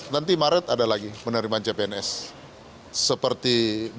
nanti maret ada lagi penerimaan cpns seperti dua ribu dua puluh